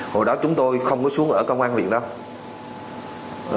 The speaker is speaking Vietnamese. hồi đó chúng tôi không có xuống ở công an huyện đâu